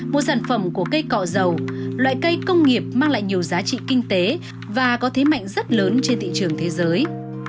một sản phẩm của cây cọ dầu loại cây công nghiệp mang lại nhiều giá trị kinh tế và có thế mạnh rất lớn trên thị trường thế giới